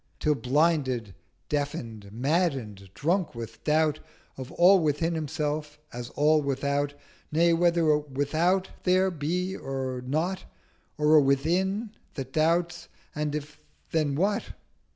Till blinded, deafen'd, madden'd, drunk with doubt Of all within Himself as all without, Nay, whether a Without there be, or not, Or a Within that doubts: and if, then what?